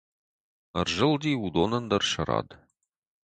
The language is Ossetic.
Ӕрзылди уыдонӕн дӕр сӕ рад.